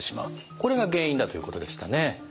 これが原因だということでしたね。